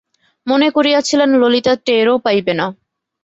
মনে করিয়াছিলেন, ললিতা টেরও পাইবে না।